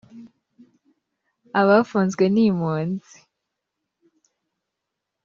abafunzwe n’impunzi